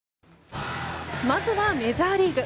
まずはメジャーリーグ。